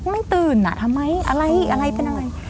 ไม่ตื่นอ่ะทำไมอะไรอะไรเป็นอะไร